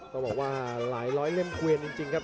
ต้องบอกว่าหลายร้อยเล่มเกวียนจริงครับ